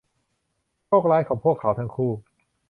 โชคร้ายของพวกเขาทั้งคู่